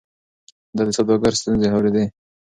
ده د سوداګرو ستونزې اورېدې.